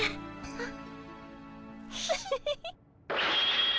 あっ。